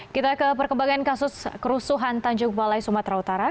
kita ke perkembangan kasus kerusuhan tanjung balai sumatera utara